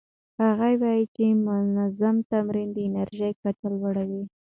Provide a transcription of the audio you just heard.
هغه وايي چې منظم تمرین د انرژۍ کچه لوړه کوي.